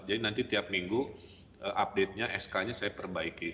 jadi nanti tiap minggu update nya sk nya saya perbaiki